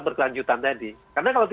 berkelanjutan tadi karena kalau